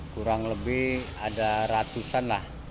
kurang lebih ada ratusan lah